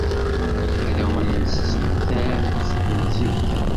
Ad awen-nessemter ad teddum zik.